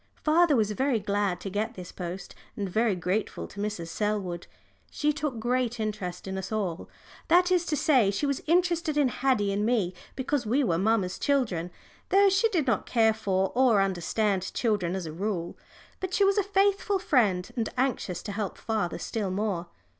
Father was very glad to get this post, and very grateful to Mrs. Selwood. She took great interest in us all that is to say, she was interested in Haddie and me because we were mamma's children, though she did not care for or understand children as a rule. But she was a faithful friend, and anxious to help father still more.